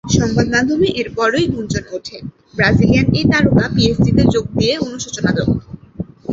সংবাদমাধ্যমে এরপরই গুঞ্জন ওঠে ব্রাজিলিয়ান এই তারকা পিএসজিতে যোগ দিয়ে অনুশোচনা দগ্ধ।